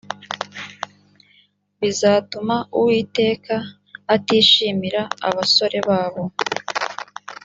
bizatuma uwiteka atishimira abasore babo